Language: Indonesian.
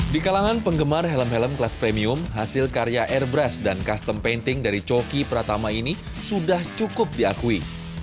di kalangan penggemar helm helm kelas premium hasil karya airbrush dan custom painting dari coki pratama ini sudah cukup diakui